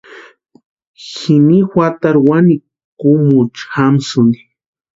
Jini juatarhu wani kumucha jamsïnti.